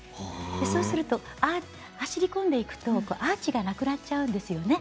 そうすると走り込んでいくとアーチがなくなっちゃうんですよね。